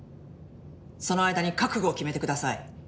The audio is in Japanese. その間に覚悟を決めてください。